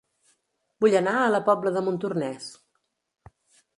Vull anar a La Pobla de Montornès